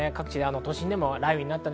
都心でも雷雨になりました。